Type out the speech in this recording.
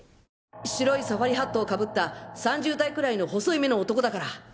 白いサファリハットを被った３０代くらいの細い目の男だから！